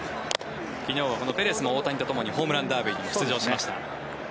昨日、ペレスも大谷とともにホームランダービーに出ました。